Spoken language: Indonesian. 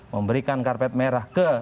memberikan karpet merah ke